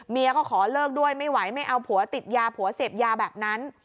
ก็ขอเลิกด้วยไม่ไหวไม่เอาผัวติดยาผัวเสพยาแบบนั้น